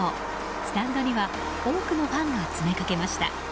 スタンドには多くのファンが詰めかけました。